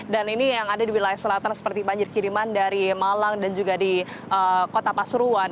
dan ini yang terjadi di wilayah selatan seperti banjir kiriman dari malang dan juga di kota pasuruan